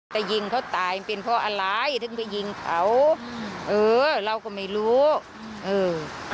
แต่ยิงเขาตายมันเป็นเพราะอะไรถึงไปยิงเขาเออเราก็ไม่รู้เออ